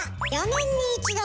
４年に１度。